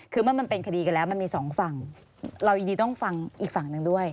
คือเมื่อมันเป็นคดีกันแล้วมันมีสองฝั่งเรายินดีต้องฟังอีกฝั่งหนึ่งด้วย